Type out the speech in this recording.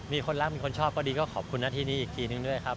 มีคนรักมีคนชอบก็ดีก็ขอบคุณหน้าที่นี้อีกทีนึงด้วยครับ